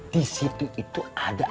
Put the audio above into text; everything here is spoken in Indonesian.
disitu itu ada